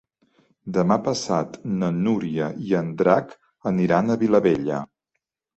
Demà passat na Núria i en Drac aniran a Vilabella.